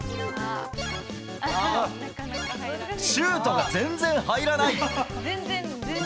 シュートが全然入らない。